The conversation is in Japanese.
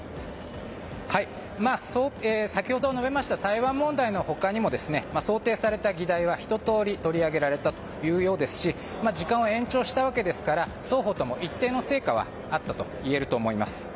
先ほど述べました台湾問題の他にも想定された議題はひと通り取り上げられたというようですし時間を延長したわけですから双方とも、一定の成果はあったといえると思います。